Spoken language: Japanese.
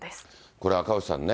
これ、赤星さんね、